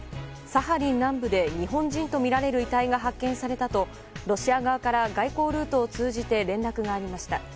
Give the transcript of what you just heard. サハリン南部で日本人とみられる遺体が発見されたとロシア側から外交ルートを通じて連絡がありました。